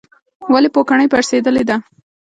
ولې پوکڼۍ پړسیدلې ده؟